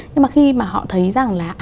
nhưng mà khi mà họ thấy rằng là